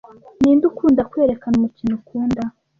Ninde ukunda kwerekana umukino ukunda?